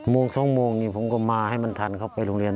โมง๒โมงนี้ผมก็มาให้มันทันเข้าไปโรงเรียน